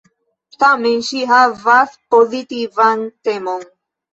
Tamen ŝi havas pozitivan temon.